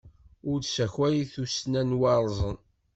Ur d-ssakay tussna n waṛẓen!